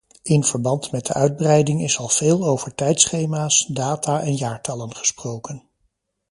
In verband met de uitbreiding is al veel over tijdschema's, data en jaartallen gesproken.